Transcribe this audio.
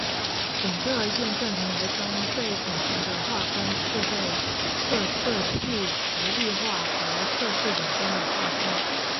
整个验证平台中最顶层的划分是被测设计实例化和测试本身的划分。